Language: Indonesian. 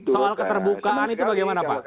soal keterbukaan itu bagaimana pak